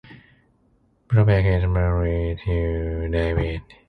Brabec is married to David.